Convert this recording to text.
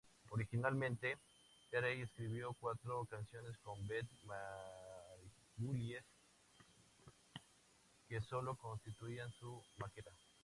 Originalmente, Carey escribió cuatro canciones con Ben Margulies, que solo constituían su maqueta.